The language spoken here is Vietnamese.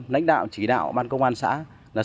lãnh đạo chỉ đạo ban công an xã